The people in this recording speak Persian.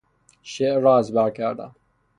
شعر را از بر کردم.